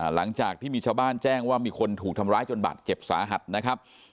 หลังจากที่มีชาวบ้านแจ้งว่ามีคนถูกทำร้ายจนบาดเจ็บสาหัสนะครับ